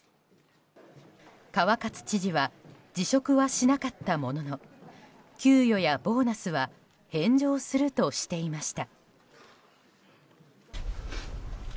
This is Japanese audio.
川勝知事は辞職はしなかったものの給与やボーナスは返上するとしていました。